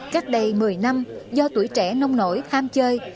các đầy một mươi năm do tuổi trẻ nông nổi ham chơi